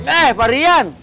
eh pak rian